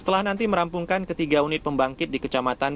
setelah nanti merampungkan ketiga unit pembangkit di kecamatan